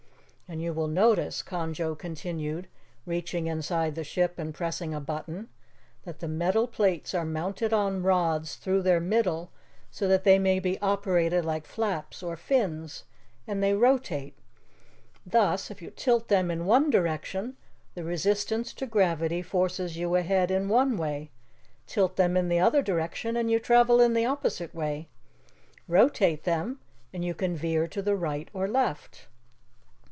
And you will notice," Conjo continued, reaching inside the ship and pressing a button, "that the metal plates are mounted on rods through their middle so that they may be operated like flaps or fins and they rotate. Thus, if you tilt them in one direction, the resistance to gravity forces you ahead in one way; tilt them in the other direction and you travel in the opposite way. Rotate them, and you can veer to right or left."